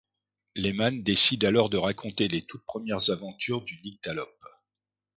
Lehman décide alors de raconter les toutes premières aventures du Nyctalope.